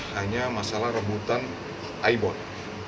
hanya masalah rebutan i board